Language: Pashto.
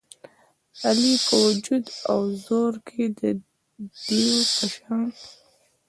علي په وجود او زور کې د دېو په شان دی.